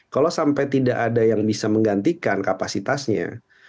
kalau sampai tidak ada yang bisa menggantikan kapasitasnya